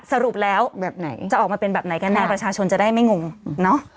สรุปแล้วแบบไหนจะออกมาเป็นแบบไหนกันแน่ประชาชนจะได้ไม่งงเนอะ